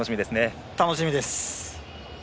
楽しみです。